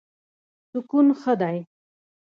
سکون ښه دی.